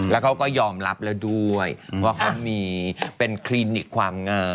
แล้วเขาก็ยอมรับแล้วด้วยว่าเขามีเป็นคลินิกความงาม